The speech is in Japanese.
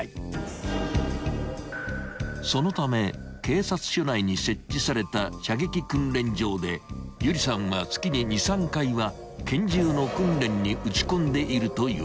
［そのため警察署内に設置された射撃訓練場で有理さんは月に２３回は拳銃の訓練に打ち込んでいるという］